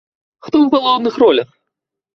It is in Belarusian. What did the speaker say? Хто ў галоўных ролях?